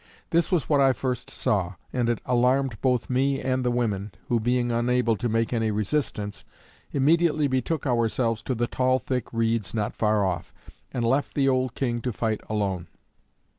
This was what I first saw, and it alarmed both me and the women, who being unable to make any resistance, immediately betook ourselves to the tall thick reeds not far off, and left the old king to fight alone.